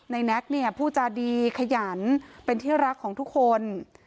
แน็กเนี่ยผู้จาดีขยันเป็นที่รักของทุกคน